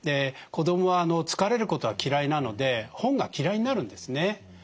子どもは疲れることは嫌いなので本が嫌いになるんですね。